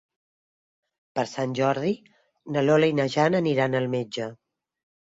Per Sant Jordi na Lola i na Jana aniran al metge.